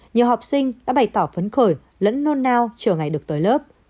nhiều học sinh đã bày tỏ phấn khởi lẫn nôn nao chờ ngày được tới lớp